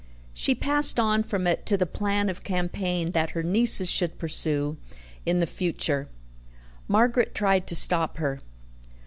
She passed on from it to the plan of campaign that her nieces should pursue in the future. Margaret tried to stop her.